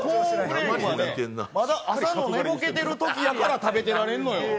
まだ朝の寝ぼけてるときだから食べてられんのよ。